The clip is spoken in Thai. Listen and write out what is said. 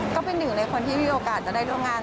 ก็เป็นหนึ่งในคนที่มีโอกาสจะได้ร่วมงาน